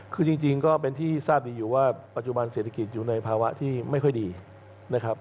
คือจริงก็เป็นที่ทราบดีอยู่ว่าปัจจุบันเศรษฐกิจอยู่ในภาวะที่ไม่ค่อยดีนะครับ